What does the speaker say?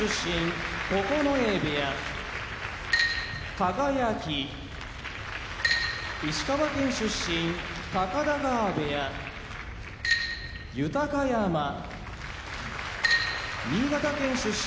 輝石川県出身高田川部屋豊山新潟県出身